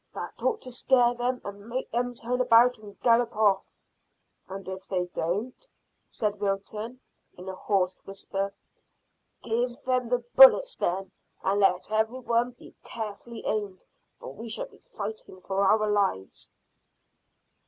That ought to scare them and make them turn about and gallop off." "And if they don't?" said Wilton, in a hoarse whisper. "Give them the bullets then, and let every one be carefully aimed, for we shall be fighting for our lives."